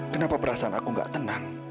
kenapa perasaan aku gak tenang